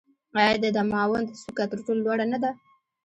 آیا د دماوند څوکه تر ټولو لوړه نه ده؟